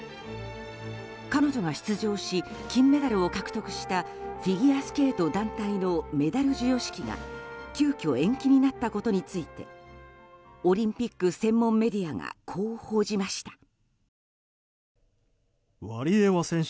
彼女が出場し金メダルを獲得したフィギュアスケート団体のメダル授与式が急きょ延期になったことについてオリンピック専門メディアがこう報じました。